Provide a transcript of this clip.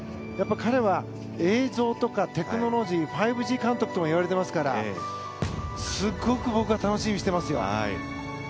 彼は映像とかテクノロジー５Ｇ監督ともいわれていますからすごく僕は楽しみにしてますよ。